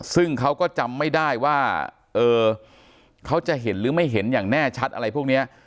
ซึ่งเขาก็จำไม่ได้ว่าเออเขาจะเห็นหรือไม่เห็นอย่างแน่ชัดอะไรพวกนี้